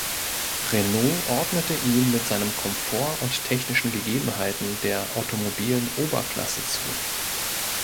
Renault ordnete ihn mit seinem Komfort und technischen Gegebenheiten der "automobilen Oberklasse" zu.